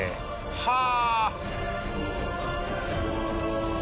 はあ！